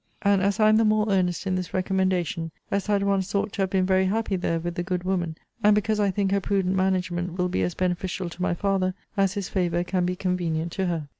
And as I am the more earnest in this recommendation, as I had once thought to have been very happy there with the good woman; and because I think her prudent management will be as beneficial to my father, as his favour can be convenient to her.